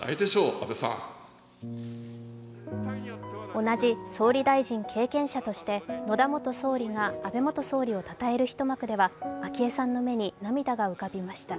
同じ総理大臣経験者として野田元総理が安倍元総理をたたえる一幕では昭恵さんの目に涙が浮かびました。